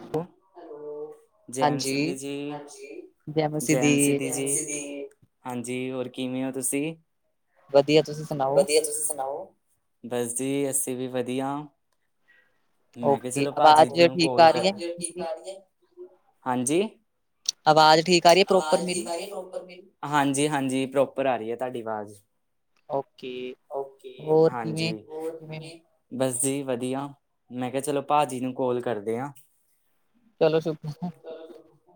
Hello ਜੈਮ ਸਿਦੀ ਜੀ ਹਾਂਜੀ ਜੈ ਮਸੀਹ ਜੈਮ ਦੀ, ਸਿਦੀ ਜੀ ਹਾਂਜੀ ਹੋਰ ਕਿਵੇਂ ਹੋ ਤੁਸੀਂ ਵਧੀਆ ਤੁਸੀਂ ਸੁਣਾਓ? ਵਧੀਆ ਤੁਸੀ ਸੁਣਾਓ ਬਸ ਜੀ ਅਸੀਂ ਵੀ ਵਧੀਆ ਮੈਂ ਕਿਹਾ ਓਕੇ, ਚਲੋ ਭਾਜੀ ਆਵਾਜ਼ ਨੂੰ ਠੀਕ ਕੋਲ ਆ ਰਹੀ ਕਰ ਹੈ ਕਿ ਮੇਰੀ? ਕਰਦੇ ਹਾਂਜੀ ਆਵਾਜ਼ ਠੀਕ ਆ ਰਹੀ ਹੈ ਪ੍ਰੋਪਰ ਆਵਾਜ਼ ਠੀਕ ਮੇਰੀ? ਆ ਰਹੀ ਪ੍ਰੋਪਰਲੀ ਹਾਂਜੀ ਹਾਂਜੀ ਪ੍ਰੋਪਰ ਆ ਰਹੀ ਹੈ ਤੁਹਾਡੀ ਆਵਾਜ਼ ਓਕੇ ਓਕੇ ਹੋਰ ਹਾਂਜੀ ਕਿਵੇਂ? ਹੋਰ ਕਿਵੇਂ ਹੋ? ਕਿ ਬਸ ਜੀ ਵਧੀਆ ਮੈਂ ਕਿਹਾ ਚਲੋ ਭਾਜੀ ਨੂੰ ਕੋਲ ਕਰਦੇ ਆ ਚਲੋ ਸ਼ੁਕਰੀਆ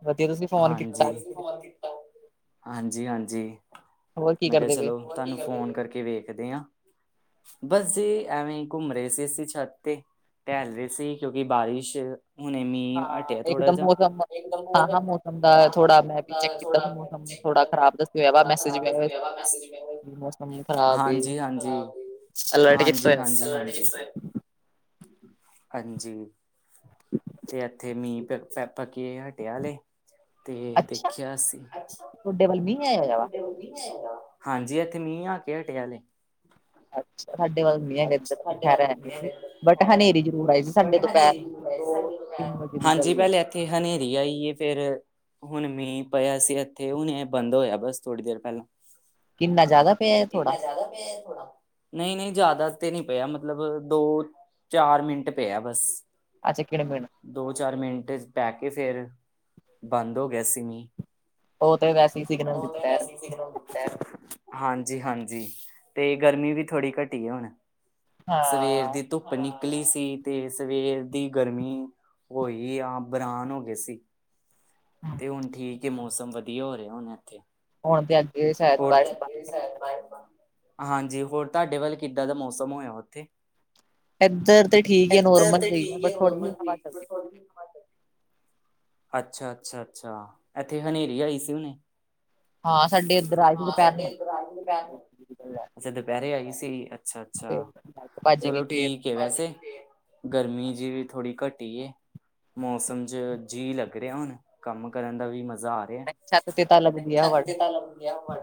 ਵਧੀਆ ਤੁਸੀਂ ਫੋਨ ਕੀਤਾ ਅੱਜ ਕਿਤੇ ਹਾਂਜੀ ਹਾਂਜੀ ਹੋਰ ਕੀ ਮੈਂ ਕਿਹਾ ਕਰਦੇ ਪਏ? ਚਲੋ ਤੁਹਾਨੂੰ ਫੋਨ ਕਰਕੇ ਵੇਖਦੇ ਹਾਂ ਬਸ ਜੀ ਐਵੇਂ ਹੀ ਘੁੰਮ ਰਹੇ ਸੀ ਅਸੀਂ ਛੱਤ ਤੇ ਪੈ ਰਹੀ ਸੀ ਕਿਉਂਕਿ ਬਾਰਿਸ਼ ਹੁਣੇ ਮੀਂਹ ਹਾਂ, ਹਟਿਆ ਥੋੜਾ ਇਕਦਮ ਜਾਿਹਾ ਮੌਸਮ ਹਾਂ ਹਾਂ ਮੌਸਮ ਦਾ ਥੋੜਾ ਮੈਂ ਵੀ ਚੈੱਕ ਹਾਂ ਕੀਤਾ ਥੋੜਾ ਸੀ ਮੌਸਮ ਚੈ ਥੋੜਾ ਖ਼ਰਾਬ ਦੱਸਿਆ ਹੋਇਆ ਵਾ ਥੋੜਾ ਮੈਸੇਜ ਵੀ ਖਰਾਬ ਆਇਆ ਹੋਇਆ ਸੀ ਮਵਾ ਨਾ। ਮੈਸਜ ਮੇਰੇ ਕੋਲ ਵੀ ਮੌਸਮ ਖ਼ਰਾਬ ਏ, ਹਾਂਜੀ ਹਾਂਜੀ ਅਲਰਟ ਕੀਤਾ ਹਾਂਜੀ ਹਾਂਜੀ ਹੋਇਆ। ਹਾਂਜੀ ਹਾਂਜੀ ਤੇ ਇੱਥੇ ਮੀਂਹ ਪ ਪੱਕੀਏ ਹਟਿਆ ਹਲੇ ਤੇ ਅੱਛਾ, ਦੇਖਿਆ ਅਸੀਂ ਤੁਹਾਡੇ ਵੱਲ ਮੀਹ ਆ ਹੈਗਾ ਵਾ ਹਾਂਜੀ ਇੱਥੇ ਮੀਂਹ ਆ ਕੇ ਹਟਿਆ ਹਲੇ ਅੱਛਾ ਸਾਡੇ ਵੱਲ ਨੀ ਹੈਗਾ ਇਧਰ ਸਾਡੇ ਖਹਿਰ ਵੱਲ ਸੀ ਬਟ ਹੈਗਾ ਹਨੇਰੀ ਜ਼ਰੂਰ ਆਈ ਸੀ ਬਟ ਸਾਡੇ ਦੁਪਹਿਰ ਤੋਂ ਤਿੰਨ ਵਜੇ ਦੀ ਗੱਲ ਜੀ ਏ ਪਹਿਲੇ ਇੱਥੇ ਹਨੇਰੀ ਆਈ ਏ ਫਿਰ ਹੁਣ ਮੀਂਹ ਪਿਆ ਸੀ ਇੱਥੇ ਹੁਣੇ ਬੰਦ ਹੋਇਆ ਬਸ ਥੋੜੀ ਦੇਰ ਪਹਿਲਾਂ ਕਿੰਨਾ ਜ਼ਿਆਦਾ ਪਿਆ ਥੋੜਾ ਕਿੰਨਾ ਜ਼ਿਆਦਾ ਪਿਆ ਥੋੜ੍ਹਾ ਨਹੀਂ -ਨਹੀਂ ਜਾਦਾ ਤੇ ਨਹੀਂ ਪਿਆ ਮਤਲਬ ਦੋ ਚਾਰ ਮਿੰਟ ਪਿਆ ਬਸ। ਅੱਛਾ ਕਿਹੜੇ ਮੀਣ ਦੋ ਚਾਰ ਮਿੰਟ 'ਚ ਪੈ ਕੇ ਫਿਰ ਬੰਦ ਹੋ ਗਿਆ ਸੀ ਮੀਂ। ਓ ਤੇ ਵੈਸੇ ਹੀ ਸਿਗਨਲ ਦਿੱਤਾ ਹੀ ਸਿਗਨਲ ਵੀ ਹਾਂਜੀ ਹਾਂਜੀ ਤੇ ਗਰਮੀ ਵੀ ਥੋੜ੍ਹੀ ਘਟੀ ਹੈ ਹੁਣ ਸਵੇਰ ਹਾਂ ਦੀ ਧੁੱਪ ਨਿਕਲੀ ਸੀ ਤੇ ਸਵੇਰ ਦੀ ਗਰਮੀ ਉਈ ਆ ਬਰਾਨ ਹੋ ਗਏ ਸੀ ਤੇ ਹੁਣ ਠੀਕ ਹੈ ਮੌਸਮ ਵਧੀਆ ਹੋ ਰਿਹਾ ਹੁਣ ਇੱਥੇ ਹੁਣ ਤੇ ਅੱਗੇ ਸ਼ਾਇਦ ਕੁੜਚ ਹਾਂਜੀ ਹੋਰ ਤੁਹਾਡੇ ਵੱਲ ਕਿੱਦਾਂ ਦਾ ਮੌਸਮ ਹੋਇਆ ਉੱਥੇ ਇੱਧਰ ਤੇ ਠੀਕ ਹੈ ਇੱਧਰ ਨੋਰਮਲ ਤੇ ਜਿਹੀ ਆ ਠੀਕ ਬਟ ਹੈ ਥੋੜੀ ਜਿਹੀ ਨੋਰਮਲ ਸੀ ਹਵਾ ਚੱਲਦੀ ਪਈ। ਅੱਛਾ ਅੱਛਾ ਅੱਛਾ ਇੱਥੇ ਹਨੇਰੀ ਆਈ ਸੀ ਹੁਨੇ ਹਾਂ ਸਾਡੇ ਇੱਧਰ ਆਏ ਸੀ ਹਾਂ ਦੁਪਹਿਰ ਨੂੰ ਸਾਡੇ ਅੰਦਰ ਆਈ ਦੁਪਹਿਰ ਨੂੰ ਅੱਛਾ ਦੁਪਹਿਰੇ ਆਈ ਸੀ ਅੱਛਾ ਅੱਛਾ ਸੀ। ਭੱਜ ਗਈ ਚਲੋ ਠੀ ਫੇਰ ਠੀਕ ਵੈਸੇ ਗਰਮੀ ਜਿਹੀ ਥੋੜੀ ਘਟੀ ਏ ਮੌਸਮ 'ਚ ਜੀ ਲੱਗ ਰਿਹਾ ਹੁਣ ਕੰਮ ਕਰਨ ਦਾ ਵੀ ਮਜ਼ਾ ਆ ਤੇ ਛੱਤ ਤੇ ਤਾਂ ਲੱਗਦੀ ਆ ਛੱਤ ਹਵਾ ਠੰਡੀ। [unintelligible]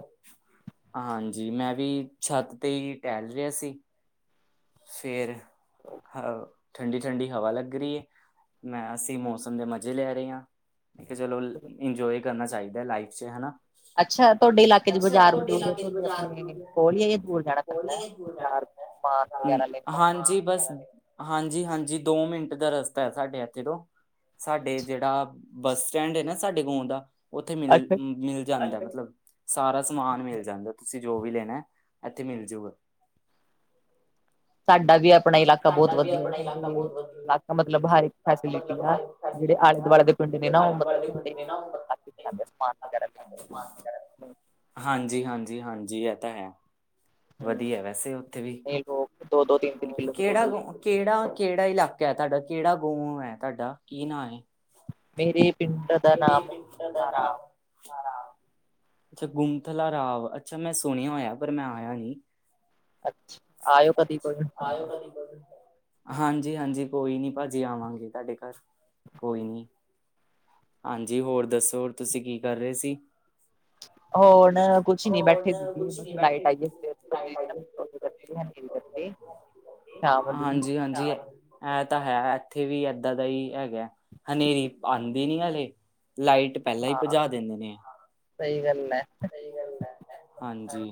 ਹਾਂਜੀ ਮੈਂ ਵੀ ਛੱਤ ਤੇ ਹੀ ਟਹਿਲ ਰਿਹਾ ਸੀ ਫੇਰ ਹਹ ਠੰਡੀ ਠੰਡੀ ਹਵਾ ਲੱਗ ਰਹੀ ਮੈਂ ਅਸੀਂ ਮੌਸਮ ਦੇ ਮਜ਼ੇ ਲੈ ਰਹੇ ਹਾਂ ਮੈਂ ਕਿਹਾ ਚਲੋ ਇੰਜੋਏ ਕਰਨਾ ਚਾਹੀਦਾ ਲਾਈਫ 'ਚ ਹੈਨਾ ਅੱਛਾ ਤੁਹਾਡੇ ਇਲਾਕੇ ਦੀ ਬਾਜ਼ਾਰ ਬਜ਼ੂਰ ਚ ਤੁਹਾਡੇ ਬਾਜ਼ਾਰ ਆਪਣੇ ਕੋਲ ਹੀ ਦੂਰ ਜਾਣਾ ਪੈਂਦਾ ਹੈ ਬਾਜ਼ਾਰ ਸਮਾਨ ਹੂੰ ਵਗੈਰਾ ਲੈਣ ਹਾਂਜੀ ਬਸ ਹਾਂਜੀ ਹਾਂਜੀ ਦੋ ਮਿੰਟ ਦਾ ਰਸਤਾ ਹੈ ਸਾਡੇ ਇੱਥੇ ਤੋਂ ਸਾਡੇ ਜਿਹੜਾ ਬੱਸ ਸਟੈਂਡ ਹੈ ਨਾ ਸਾਡੇ ਗੌਂ ਦਾ ਉੱਥੇ ਮਿਲ ਅੱਛਾ ਮਿਲ ਜਾਂਦਾ ਮਤਲਬ ਸਾਰਾ ਸਮਾਨ ਮਿਲ ਜਾਂਦਾ ਤੁਸੀਂ ਜੋ ਵੀ ਲੈਣਾ ਇੱਥੇ ਮਿਲ ਜੂਗਾ ਤੁਹਾਡਾ ਵੀ ਅਪ ਆਪਣਾ ਇਲਾਕਾ ਬਹੁਤ ਸਾਡਾ ਵੀ ਵਧੀਆ ਆਪਣਾ ਸਾਡੇ ਇਲਾਕਾ ਬਹੁਤ ਵਧੀਆ ਇਲਾਕਾ ਮਤਲਬ ਹਰ ਇੱਕ ਇਲਾਕਾ ਫੈਸਿਲਿਟੀ ਮਤਲਬ ਆ ਹਰ ਜਿਹੜੇ ਫੈਸਿਲਿਟੀ ਆਲੇ ਆ ਦੁਆਲੇ ਦੇ ਤੁਹਾਡੇ ਜਿਹੜੇ ਨਾਲ ਆਲੇ [unintelligible] ਦੁਆਲੇ ਦੇ ਪਿੰਡ ਨੇ ਨਾ ਘੰ ਸਮਾਨ ਵਗੈਰਾ ਲੈ ਹਾਂਜੀ ਹਾਂਜੀ ਹਾਂਜੀ ਇਹ ਤਾਂ ਹੈੰ ਹੂੰ ਵਧੀਆ ਵੈਸੇ ਉੱਥੇ ਵੀ ਇਹ ਲੋਕ ਦੋ ਦੋ ਤਿੰਨ ਤਿੰਨ ਕਿਲੋਮੀਟਰ ਕਿਹੜਾ ਦੂਰ ਕਿਹੜਾ ਕਿਹੜਾ ਇਲਾਕਾ ਤੁਹਾਡਾ ਕਿਹੜਾ ਗੋਂ ਹੈ ਤੁਹਾਡਾ ਕੀ ਨਾਂ ਏ ਮੇਰੇ ਪਿੰਡ ਦਾ ਨਾਮ ਸਾਰਾ ਛਾ ਅੱਛਾ ਗੁੰਮਥਲਾ ਰਾਵ ਅੱਛਾ ''ਮੈਂ ਸੁਣਿਆ ਹੋਇਆ, ਪਰ ਮੈਂ ਆਇਆ ਨੀ। ਅੱਛਾ, ਆਇਓ ਕਦੀ ਕੋ ਆਇਓ ਕਦੀ ਕਦੀ। ਹਾਂਜੀ-ਹਾਂਜੀ, ਕੋਈ ਨੀ ਭਾਜੀ ਆਵਾਂਗੇ ਤੁਹਾਡੇ ਘਰ, ਕੋਈ ਨੀ। ਹਾਂਜੀ‌ ਹੋਰ ਦੱਸੋ, ਤੁਸੀਂ ਕੀ ਕਰ ਰਹੇ ਸੀ? ਹੋਣ ਕੁਛ ਨੀ, ਹੋਰ ਬੈਠੇ ਕੁਛ ਨੀ ਸੀਗੇ ਬੈਠੇ ਲਾਈਟ ਆਈਏ ਫਿਰ ਗੱਤੇ ਲਾਈਟ ਆਈ ਹੈ ਏ। ਨਹੀਂ, ਗੱਤੇ। ਹਾਂਜੀ-ਹਾਂਜੀ ਐ ਤਾ ਹੈ, ਇੱਥੇ ਵੀ ਏਦਾਂ ਦਾ ਹੀ ਹੈਗਾ, ਹਨੇਰੀ ਆਂ ਆਂਦੀ ਨੀ ਹਜੇ, ਲਾਈਟ ਪਹਿਲਾਂ ਹੀ ਹਾਂ ਭਜਾ ਦਿੰਦੇ ਨੇ। ਸਹੀ ਗਲ ਐ। ਹਾਂਜੀ,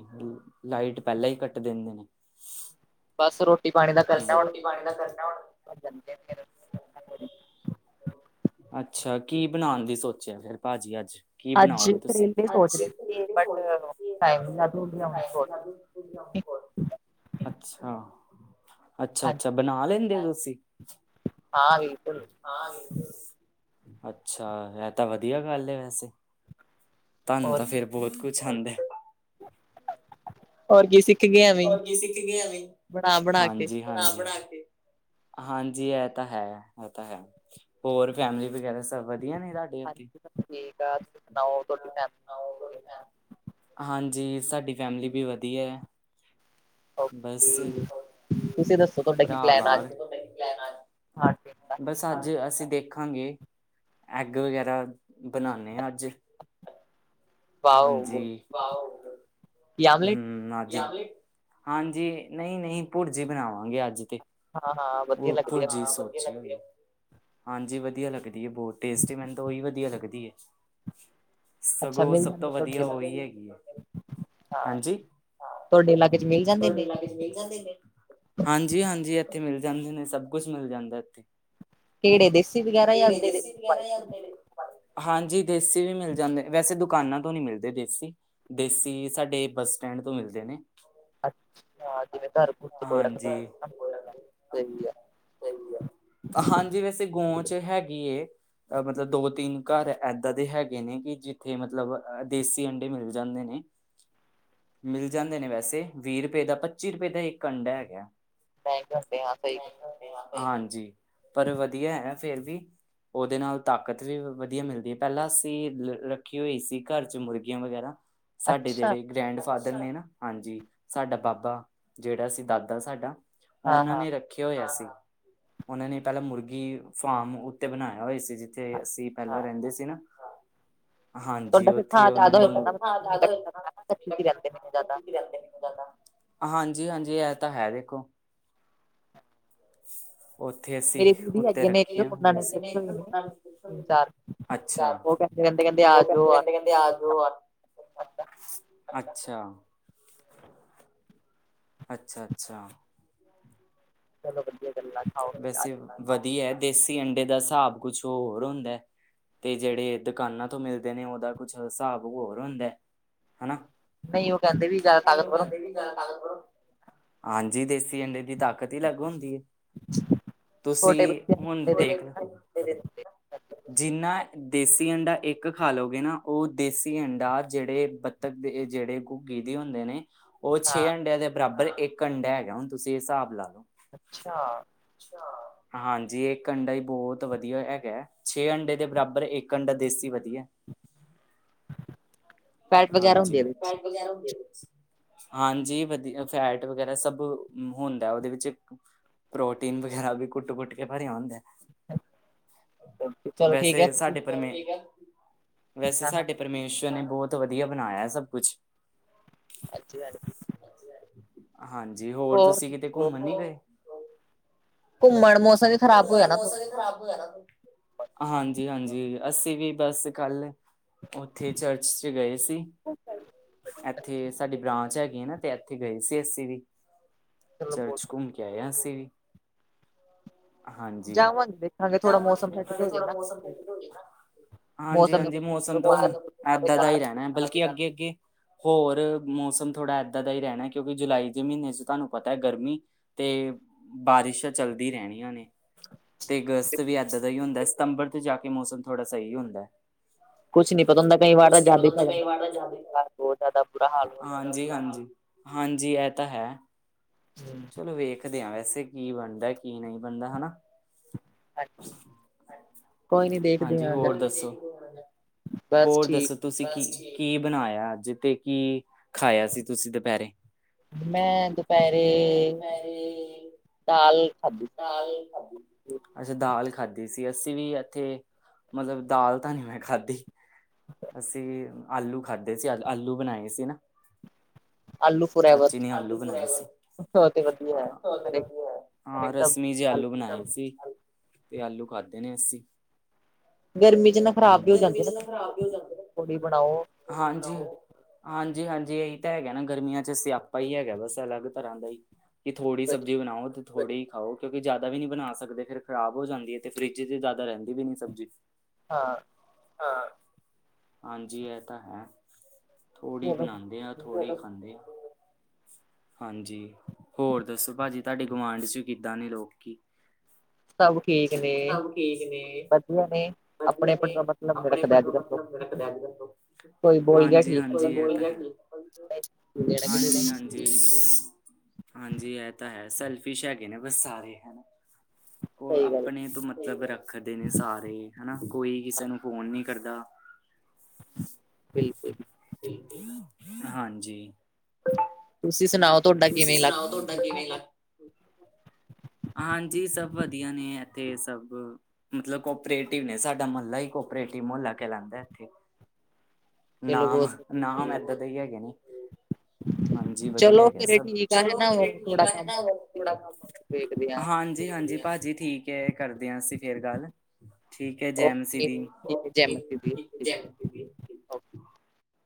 ਲਾਈਟ ਪਹਿਲਾਂ ਈ ਕੱਟ ਦਿੰਦੇ ਨੇ। ਬਸ ਰੋਟੀ-ਪਾਣੀ ਦਾ ਬਸ ਖ਼ਰਚਾ ਹੋਣ ਰੋਟੀ ਪਾਣੀ ਦਾ ਕਰਨਾ ਹੁਣ। ਅੱਛਾ, ਕੀ ਬਣਾਉਣ ਦੀ ਸੋਚਿਆ ਫਿਰ ਭਾਜੀ ਅੱਜ? ਕੀ ਅੱਜ ਬਣਾਓਗੇ ਤੁਸੀ? ਕਰੇਲੇ ਸੋਚ ਰਹੇ ਸੀ ਬਟ ਟਾਈਮ ਨੀ ਲੱਗ ਰਿਹਾ ਹੁਣ ਸੋਚ ਅੱਛਾ, ਹਾਂਜੀ ਅੱਛਾ-ਅੱਛਾ ਬਣਾ ਲੈਂਦੇ ਓ ਤੁਸੀ? ਹਾਂ, ਬਿਲਕੁਲ। ਅੱਛਾ, ਐ ਤਾ ਵਧੀਆ ਗੱਲ ਏ ਵੈਸੇ। ਤੁਹਾਨੂੰ ਤਾ ਹੋਰ ਫੇਰ ਬਹੁਤ ਕੁਛ ਆਂਦੈ। ਹੋਰ ਕੀ ਸਿੱਖ ਗਿਆ। ਹੋਰ ਕੀ ਸਿਖਗੇ ਆਂ ਐਂਵੇ ਈ। ਕੇ ਹਾਂਜੀ। ਬਣਾ-ਬਣਾਕੇ, ਹਾਂਜੀ ਐ ਤਾ ਹੈ, ਐ ਤਾ ਹੈ। ਹੋਰ ਫੈਮਲੀ ਵਗੈਰਾ ਸਭ ਵਧੀਆ ਨੇ, ਤਹਾਡੇ ਇੱਥੇ? ਹਾਂਜੀ ਸਭ ਠੀਕ ਆ ਤੁਸੀਂ ਸੁਣਾਓ ਤੁਹਾਡੀ ਫੈਮਿਲੀ ਹਾਂਜੀ, ਸਾਡੀ ਫੈਮਿਲੀ ਵੀ ਵਧੀਆ। ਓਕੇ, ਬਸ ਤੁਸੀ ਦੱਸੋ ਤੁਹਾਡਾ ਕੀ ਭਰਾ ਪਲੈਨ ਆ, ਅੱਜ? ਬਾਹਰ ਹਾਂ ਬਸ ਅੱਜ ਅਸੀਂ ਦੇਖਾਂਗੇ, ਐਗ ਵਗੈਰਾ ਬਣਾਂਨੇ ਆ, ਅੱਜ। ਵਾਓ ਹਾਂਜੀ, ਕੀ ਆਮਲੇਟ ਹੂੰ ਅੱਜ ਹਾਂਜੀ, ਨਹੀਂ-ਨਹੀਂ, ਭੁਰਜੀ ਬਣਾਵਾਂਗੇ ਅੱਜ ਤੇ। ਹਾਂ ਹਾਂ ਓ ਵਧੀਆ ਲੱਗਦੀ ਆ ਭੁਰਜੀ ਦੀ ਸਬਜ਼ੀ। ਹਾਂਜੀ, ਵਧੀਆ ਲੱਗਦੀ ਏ ਬਹੁਤ, ਟੇਸਟੀ ਮੈਨੂੰ ਤਾਂ ਉਹੀ ਵਧੀਆ ਲੱਗਦੀ ਏ। ਅੱਛਾ, ਮਿਲ ਤੁਹਾਡੇ ਵਧੀਆ ਹੋਈ ਹੈਗੀ, ਹਾਂ ਹਾਂਜੀ? ਤੁਹਾਡੇ ਇਲਾਕੇ'ਚ ਮੀਲ ਤੁਹਾਡੇ ਇਲਾਕੇ'ਚ ਮਿਲ ਜਾਂਦੇ ਨੇ? ਹਾਂਜੀ-ਹਾਂਜੀ, ਇੱਥੇ ਮਿਲ ਜਾਂਦੇ ਨੇ ਸਭ ਕੁਛ ਮਿਲ ਜਾਂਦਾ ਇੱਥੇ। ਕਿਹੜੇ ਦੇਸੀ ਵਗੈਰਾ ਜਾਂ ਫੇਰ ਏ, ਜਿਹੜੇ ਦੇਸੀ ਵਗੈਰਾ ਈ ਆਂਦੇ ਨੇ? ਹਾਂਜੀ, ਦੇਸੀ ਵੀ ਮਿਲ ਜਾਂਦੇ ਨੇ, ਵੈਸੇ ਦੁਕਾਨਾਂ ਤੋਂ ਨਹੀਂ ਮਿਲਦੇ ਦੇਸੀ। ਦੇਸੀ, ਸਾਡੇ ਬੱਸ ਸਟੈਂਡ ਤੋਂ ਮਿਲਦੇ ਨੇ। ਅੱਛਾ, ਜਿਵੇਂ ਘਰ ਕੋਈ ਰੱਖ ਹਾਂਜੀ ਸਹੀ ਆ ਸਹੀ ਆ, ਹਾਂਜੀ ਵੈਸੇ ਗੋਂ'ਚ ਹੈਗੀ ਏ। ਮਤਲਬ ਦੋ-ਤਿੰਨ ਘਰ ਐਦਾਂ ਦੇ ਹੈਗੇ ਨੇ, ਕਿ ਜਿੱਥੇ ਮਤਲਬ ਦੇਸੀ ਅੰਡੇ ਮਿਲ ਜਾਂਦੇ ਨੇ। ਮਿਲ ਜਾਂਦੇ ਨੇ ਵੈਸੇ, ਵੀਹ ਰੁਪਏ ਦਾ ਪੱਚੀ ਰੁਪਏ ਦਾ ਇੱਕ ਅੰਡਾ ਹੈਗਾ। ਟ੍ਰਾਏ ਕਰਦੇਂ ਆ, ਸਹੀ। ਹਾਂਜੀ, ਪਰ ਵਧੀਆ ਐ ਫੇਰ ਵੀ। ਓਹਦੇ ਨਾਲ ਤਾਕਤ ਵੀ ਵਧੀਆ ਮਿਲਦੀ, ਪਹਿਲਾਂ ਅਸੀਂ ਰੱਖੀ ਹੋਈ ਸੀ, ਘਰ'ਚ ਮੁਰਗੀਆਂ ਵਗੈਰਾ। ਸਾਡੇ ਅੱਛਾ ਜਿਹੜੇ ਗ੍ਰੈਂਡ ਫਾਦਰ ਨੇ ਨਾ ਹਾਂਜੀ ਸਾਡਾ ਬਾਬਾ ਜਿਹੜਾ ਸੀ ਦਾਦਾ ਸਾਡਾ ਹਾਂ ਉਹਨਾਂ ਹਾਂ ਨੇ ਰੱਖਿਆ ਹੋਇਆ ਸੀ ਉਹਨਾਂ ਨੇ ਪਹਿਲਾਂ ਮੁਰਗੀ ਫਾਰਮ ਉੱਤੇ ਬਣਾਇਆ ਹੋਇਆ ਸੀ ਜਿੱਥੇ ਅਸੀਂ ਪਹਿਲਾਂ ਹਾਂ ਰਹਿੰਦੇ ਸੀ ਨਾ ਹਾਂਜੀ ਤੁਹਾਡਾ ਫਿਰ ਥਾਂ ਉੱਥੇ ਉਹਨਾਂ ਜਿਆਦਾ ਨੇ ਹੋਏਗਾ ਨਾ [unintelligible] ਹਾਂਜੀ ਹਾਂਜੀ ਇਹ ਤਾਂ ਹੈ ਦੇਖੋ ਉੱਥੇ ਅਸੀਂ ਮੇਰੇ ਦੀਦੀ ਉੱਤੇ ਹੈਗੇ ਨੇ ਇੱਕ ਰੱਖੀਆਂ ਉਹਨਾਂ ਨੇ ਰੱਖੇ ਹੋਏ ਨੇ ਤਿੰਨ [unintelligible] ਚਾਰ ਅੱਛਾ ਉਹ ਕਹਿੰਦੇ ਕਹਿੰਦੇ ਆ ਉਹ ਜਾਓ ਕਹਿੰਦੇ ਰਹਿੰਦੇ ਆ ਬਈ ਆਜੋ ਜਾਓ। ਆਜੋ ਅੱਛਾ ਅੱਛਾ ਅੱਛਾ ਸਾਲਾ ਬੱਦੀ ਵੈਸੇ ਵਧੀਆ ਦੇਸੀ ਅੰਡੇ ਦਾ ਹਿਸਾਬ ਕੁਛ ਹੋਰ ਹੁੰਦਾ ਤੇ ਜਿਹੜੇ ਦੁਕਾਨਾਂ ਤੋਂ ਮਿਲਦੇ ਨੇ ਉਹਦਾ ਕੁਛ ਹਿਸਾਬ ਹੋਰ ਹੁੰਦਾ ਹਨਾ ਨਹੀਂ ਉਹ ਕਹਿੰਦੇ ਵੀ ਜ਼ਿਆਦਾ ਤਾਕਤਵਰ ਜਿਆਦਾ ਤਾਕਤਵਰ ਹੁੰਦੇ ਹਾਂਜੀ ਦੇਸੀ ਅੰਡੇ ਦੀ ਤਾਕਤ ਹੀ ਅਲੱਗ ਹੁੰਦੀ ਏ [unintelligible] ਤੁਸੀਂ ਬੱਚਿਆਂ ਨੂੰ ਹੁਣ ਕਹਿੰਦੇ ਦੇਖ ਲ [unintelligible] ਦਿੰਦੇ ਜਿੰਨਾ ਦੇਸੀ ਅੰਡਾ ਇੱਕ ਖਾ ਲਉਗੇ ਨਾ ਉਹ ਦੇਸੀ ਅੰਡਾ ਜਿਹੜੇ ਬ ਤਗਦੇ ਜਿਹੜੇ ਘੁੱਗੀ ਦੇ ਹੁੰਦੇ ਨੇ ਉਹ ਹਾਂ ਛੇ ਅੰਡਿਆਂ ਦੇ ਬਰਾਬਰ ਇੱਕ ਅੰਡਾ ਹੈਗਾ ਹੁਣ ਤੁਸੀਂ ਇਹ ਹਿਸਾਬ ਲਾ ਲਓ। ਅੱਛਾ ਅੱਛਾ ਹਾਂਜੀ ਇੱਕ ਅੰਡਾ ਹੀ ਬਹੁਤ ਵਧੀਆ ਹੈਗਾ ਛੇ ਅੰਡੇ ਦੇ ਬਰਾਬਰ ਇੱਕ ਅੰਡਾ ਦੇਸੀ ਵਧੀਆ ਫੈਟ ਵਗੈਰਾ ਹੁੰਦੀ ਹਾਂਜੀ ਆ ਵਿੱਚ ਫੈਟ ਵਗੈਰਾ ਹੁੰਦੀ ਇਹਦੇ ਵਿੱਚ ਹਾਂਜੀ, ਵਧੀਆ ਫੈਟ ਵਗੈਰਾ ਸਭ ਹੁੰਦਾ ਉਹਦੇ ਵਿੱਚ ਪ੍ਰੋਟੀਨ ਵਗੈਰਾ ਵੀ ਕੁੱਟ -ਕੁੱਟ ਕੇ ਭਰਿਆ ਹੁੰਦਾ! ਚਲੋ ਠੀਕ ਹੈ ਵੈਸੇ ਤੁਸੀਂ ਸਾਡੇ ਪਰਮੇਸ਼ਵਰ ਵੈਸੇ ਹਾਂ ਹਾਂ ਸਾਡੇ ਪਰਮੇਸ਼ੁਰ ਨੇ ਬਹੁਤ ਤੋਂ ਵਧੀਆ ਬਣਾਇਆ ਸਭ ਕੁਛ ਅੱਜੀੀ ਗ [unintelligible] ਹਾਂਜੀ, ਹੋਰ ਤੁਸੀਂ ਕਿਤੇ ਘੁੰਮਣ ਨੀ ਗਏ? ਘੁੰਮਣ ਮੌਸਮ, ਵੀ ਖ਼ਰਾਬ ਹੋਇਆ ਘੁੰਮਣ ਨਾ ਮੌਸਮ ਥੋੜਾ ਹੀ ਖਰਾਬ ਹੋ ਜਾਣਾ। ਹਾਂਜੀ -ਹਾਂਜੀ ਅਸੀਂ ਵੀ ਬਸ ਕੱਲ ਉੱਥੇ ਚਰਚ ਚ ਗਏ ਸੀ। ਕ [unintelligible] ਇੱਥੇ ਸਾਡੀ ਬ੍ਰਾਂਚ ਹੈਗੀ ਹੈ ਨਾ, ਤੇ ਇੱਥੇ ਗਏ ਸੀ ਅਸੀਂ ਵੀ ਚਰਚ ਬਹੁਤ ਘੁੰਮ ਕੇ ਗਏ ਆ ਅਸੀਂ ਵੀ ਹਾਂਜੀ, ਜਾਵਾਂਗੇ ਦੇਖਾਂਗੇ ਥੋੜਾ ਮੌਸਮ ਜਾਵਾਂਗੇ ਸੈੱਟ ਤੇ ਨਾਲੇ ਹੋ ਜਾਏ ਥੋੜਾ ਨਾ ਮੌਸਮ ਠੰਡਾ ਹੋ ਜੇ ਨਾ ਹਾਂਜੀ ਮੌਸਮ ਦਾ -ਹਾਂਜੀ ਮੌਸਮ ਕੁਛ ਤਾਂ ਬਾਹਰ ਨਾਲ ਦੀ ਏਦਾਂ ਦਾ ਹੀ ਰਹਿਣਾ ਹੈ ਬਲਕਿ ਅੱਗੇ- ਅੱਗੇ ਹੋਰ ਮੌਸਮ ਥੋੜ੍ਹਾ ਇੱਦਾਂ ਦਾ ਹੀ ਰਹਿਣਾ ਕਿਉਂਕਿ ਜੁਲਾਈ ਦੇ ਮਹੀਨੇ ਚ ਤੁਹਾਨੂੰ ਪਤਾ ਗਰਮੀ ਤੇ ਬਾਰਿਸ਼ ਚੱਲਦੀ ਰਹਿਣੀ। ਤੇ ਅਗਸਤ ਨਾਲ ਵੀ ਏਦਾਂ ਦਾ ਹੀ ਹੁੰਦਾ, ਸਤੰਬਰ ਚ ਜਾ ਕੇ ਮੌਸਮ ਥੋੜ੍ਹਾ ਸਹੀ ਹੁੰਦਾ। ਕੁਛ ਨੀ ਪਤਾ ਹੁੰਦਾ, ਕਈ ਵਾਰ ਤਾਂ ਕੁਛ ਨੀ ਪਤਾ ਜ਼ਾਦੀ ਹੁੰਦਾ ਪੈ ਕਈ ਜਾਂਦਾ, ਵਾਰ ਬਹੁਤ ਜ਼ਿਆਦਾ ਬੁਰਾ ਹਾਲ ਹੋ ਜਾਂਦਾ। ਹਾਂਜੀ -ਹਾਂਜੀ -ਹਾਂਜੀ ਇਹ ਤਾਂ ਹੈ। ਹਮ। ਚਲੋ ਵੇਖਦੇ ਆ ਵੈਸੇ ਕੀ ਬਣਦਾ ਕੀ ਨਹੀਂ ਬਣਦਾ ਹਨਾ। ਕੋਈ ਨੀ ਦੇਖਦੇ ਹਾਂਜੀ ਹਾ ਅੱਜ ਹੋਰ ਦੱਸੋ ਆਪਾਂ ਬਸ ਹੋਰ ਠੀਕ। ਦੱਸੋ ਤੁਸੀਂ ਕੀ ਕੀ ਬਣਾਇਆ ਅੱਜ ਤੇ ਕੀ ਖਾਇਆ ਸੀ ਤੁਸੀਂ ਦੁਪਹਿਰੇ? ਮੈਂ ਮੈਂ ਦੁਪਹਿਰੇ ਦੁਪਹਿਰੇ ਦਾਲ ਖਾਧੀ। ਦਾਲ ਖਾਧੀ। ਸੀ ਅੱਛਾ ਦਾਲ ਖਾਧੀ ਸੀ, ਅਸੀਂ ਵੀ ਇੱਥੇ ਮਤਲਬ ਦਾਲ ਤਾਂ ਨੀ ਮੈਂ ਖਾਧੀ। ਅਸੀਂ ਆਲੂ ਖਾਧੇ ਸੀ, ਆਲੂ ਬਣਾਏ ਸੀ ਨਾ। ਆਲੂ ਫੋਰੈਵਰ ਚਾਚੀ ਨੇ ਆਲੂ ਬਣਾਏ ਸੀ। ਉਹ ਤੇ ਵਧੀਆ ਹੈ ਹਰੇਕ ਹਾਂ ਸਬਜ਼ੀ ਰਸਮੀ ਚ ਜੇ ਆਲੂ ਬਣਾਏ ਸੀ, ਤੇ ਆਲੂ ਖਾਧੇ ਨੇ ਅਸੀਂ। ਗਰਮੀ ਚ ਨਾ ਖ਼ਰਾਬ ਵੀ ਹੋ ਗਰਮੀ ਜਾਂਦੇ ਨਾ ਚ ਖ਼ਰਾਬ ਵੀ ਹੋ ਜਾਂਦੇ ਨੇ ਪੂੜੀ ਬਣਾਓ। ਹਾਂਜੀ। ਹਾਂਜੀ -ਹਾਂਜੀ ਇਹੀ ਤਾਂ ਹੈਗਾ ਨਾ, ਗਰਮੀਆਂ ਚ ਸਿਆਪਾ ਹੀ ਹੈਗਾ ਬਸ ਅਲੱਗ ਤਰ੍ਹਾਂ ਦਾ ਹੀ! ਥੋੜੀ ਸਬਜ਼ੀ ਬਣਾਓ ਤੋ ਥੋੜੀ ਹੀ ਖਾਓ, ਕਿਉਂਕਿ ਜ਼ਿਆਦਾ ਵੀ ਨੀ ਬਣਾ ਸਕਦੇ, ਫਿਰ ਖ਼ਰਾਬ ਹੋ ਜਾਂਦੀ ਹੈ ਤੇ ਫਰਿਜ ਚ ਜ਼ਿਆਦਾ ਰਹਿੰਦੀ ਵੀ ਨੀ ਸਬਜ਼ੀ। [inaudible] ਹਾਂ। ਹਾਂ ਹਾਂਜੀ, ਇਹ ਤਾਂ ਹੈ। ਥੋੜੀ ਬਣਾਉਂਦੇ ਆ, ਥੋੜੀ ਖਾਂਦੇ ਆ। ਹਾਂਜੀ, ਹੋਰ ਦੱਸੋ ਭਾਜੀ ਤੁਹਾਡੀੇ ਗੁਵਾਂਢ ਚ ਕਿੱਦਾਂ ਨੇ ਲੋਕੀ? ਸਭ ਠੀਕ ਨੇ, ਸਭ ਠੀਕ ਨੇ ਵਧੀਆ ਨੇ, ਆਪਣੇ ਆਪਣੇ ਦਾ ਮਤਲਬ ਨੀ ਰੱਖਦੇ ਅੱਜ ਕੱਲ ਕੋਈ [unintelligible] ਬੋਲ ਗਿਆ ਹਾਂਜੀ ਠੀਕ ਆਪਾਂ ਹਾਂਜੀ ਵੀ ਇਹ ਬੋਲ ਤਾਂ ਹੈ। ਲੈਣਾ ਕਿਸੇ ਦਾ ਹਾਂਜੀ -ਹਾਂਜੀ! ਹਾਂਜੀ ਇਹ ਤਾਂ ਹੈ, ਸੈਲਫਿਸ਼ ਹੈਗੇ ਨੇ ਬਸ ਸਾਰੇ। ਉਹ ਸਹੀ ਗੱਲ ਆਪਣੇ ਤੋਂ ਮਤਲਬ ਰੱਖਦੇ ਨੇ ਸਾਰੇ। ਹਨਾ ਕੋਈ ਕਿਸੇ ਨੂੰ ਫੋਨ ਨੀ ਕਰਦਾ। ਬਿਲ। ਹਾਂਜੀ। ਤੁਸੀਂ ਸੁਣਾਓ ਤੁਹਾਡਾ ਤੁਸੀਂ ਕਿਵੇਂ ਸੁਣਾਓ ਇਲਾਕਾ ਤੁਹਾਡਾ ਠੀਕ ਕਿਵੇਂ ਠਾਕ ਆ ਦਾ ਹਾਂਜੀ, ਸਭ ਵਧੀਆ ਨੇ ਇੱਥੇ ਸਭ। ਮਤਲਬ ਕੋਪਰੇਟਿਵ ਨੇ ਸਾਡਾ ਮਹੱਲਾ ਹੀ ਕੋਪਰੇਟਿਵ ਮੁਹੱਲਾ ਕ ਲਉਂਦਾ ਇੱਥੇ ਚਲੋ ਨਾਮ, ਬਹੁਤ ਨਾਮ ਵਧੀਆ ਏਦਾਂ ਦੇ ਹੀ ਹੈਗੇ ਨੇ। ਹਾਂਜੀ ਵਧੀਆ ਚਲੋ ਹੈਗਾ ਫਿਰ ਸਭ, ਠੀਕ ਆ ਚਲੋ ਹੈਨਾ ਠੀਕ ਥੋੜਾ ਆ ਕੰਮ [unintelligible] ਥੋੜਾ ਕੰਮ [unintelligible] ਹਾਂਜੀ- ਹਾਂਜੀ ਭਾਜੀ ਠੀਕ ਹੈ, ਕਰਦੇ ਹਾਂ ਅਸੀਂ ਫਿਰ ਗੱਲ ਠੀਕ ਹੈ ਜੈਮਸੀ ਓਕੇ ਦੀ, ਠੀਕ ਹੈ ਜੈ ਮਸੀ ਦੀ [unintelligible]